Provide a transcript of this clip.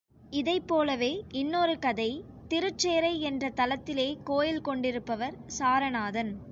இதைப்போலவே இன்னொரு கதை, திருச்சேறை என்ற தலத்திலே கோயில் கொண்டிருப்பவர் சாரநாதன்.